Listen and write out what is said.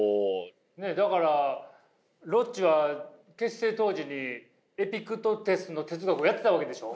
だからロッチは結成当時にエピクトテスの哲学をやってたわけでしょ？